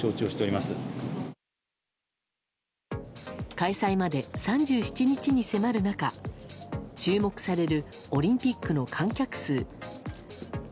開催まで３７日に迫る中注目されるオリンピックの観客数。